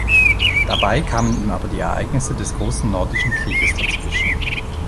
Dabei kamen ihm aber die Ereignisse des Großen Nordischen Krieges dazwischen.